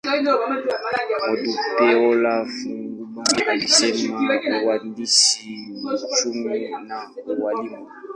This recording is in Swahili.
Modupeola Fadugba alisoma uhandisi, uchumi, na ualimu.